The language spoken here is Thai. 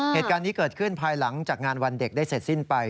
เหตุการณ์นี้เกิดขึ้นภายหลังจากงานวันเด็กได้เสร็จสิ้นไป